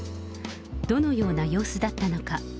どのような様子だったのか。